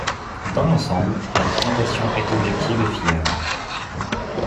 Dans l'ensemble, la présentation est objective et fiable.